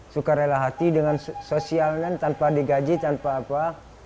suka rela hati dengan sosialnya tanpa digaji tanpa apa